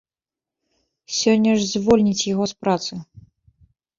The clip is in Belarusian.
Сёння ж звольніць яго з працы.